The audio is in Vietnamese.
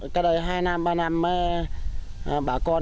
cái này hai năm ba năm bà con